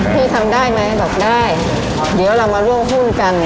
พี่ทำได้ไหมบอกได้เดี๋ยวเรามาร่วมหุ้นกัน